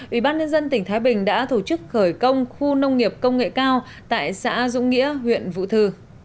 ủy ban nhân dân tỉnh thái bình đã tổ chức khởi công khu nông nghiệp công nghệ cao tại xã dũng nghĩa huyện vũ thư